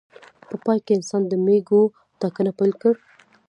په پای کې انسان د مېږو ټاکنه پیل کړه.